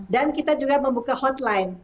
dan kita juga membuka hotline